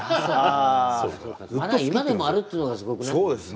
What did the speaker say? まだ今でもあるっていうのがすごくない？